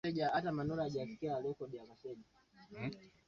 Tamasha limeanza.